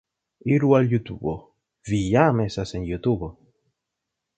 Iru al Jutubo... vi jam estas en Jutubo